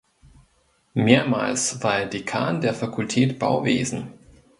Mehrmals war er Dekan der Fakultät Bauwesen.